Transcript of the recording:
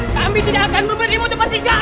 kami tidak akan memberimu tempat tinggal